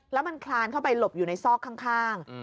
แล้วมันคลานเข้าไปหลบอยู่ในซอกข้าง